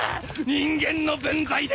人間の分際で！